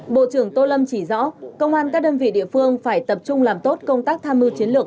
bộ trưởng tô lâm chỉ rõ công an các đơn vị địa phương phải tập trung làm tốt công tác tham mưu chiến lược